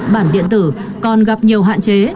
bản điện tử còn gặp nhiều hạn chế